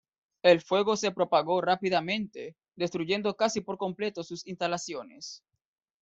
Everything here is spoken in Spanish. El fuego se propagó rápidamente, destruyendo casi por completo sus instalaciones.